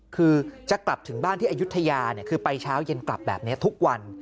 คือจะกลับถึงบ้านที่อายุทยาคือไปเช้าเย็นกลับแบบนี้ทุกวัน